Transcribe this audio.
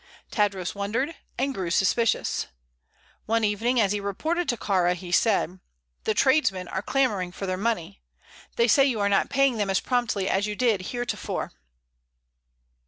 Tadros wondered, and grew suspicious. One evening, as he reported to Kāra, he said: "The tradesmen are clamoring for their money. They say you are not paying them as promptly as you did heretofore."